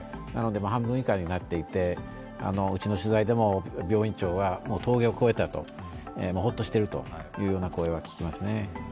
なので半分以下になっていてうちの取材でも病院長は峠を越えた、ホッとしているというような声は聞きますね。